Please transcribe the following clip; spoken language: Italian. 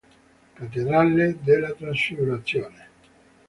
Cattedrale della Trasfigurazione